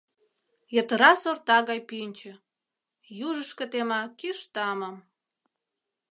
Йытыра сорта гай пӱнчӧ Южышко тема киш тамым.